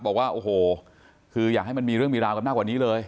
บอกว่าโอ้โหคืออยากให้มันมีเรื่องมีราวกันมากกว่านี้เลย